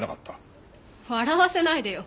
笑わせないでよ。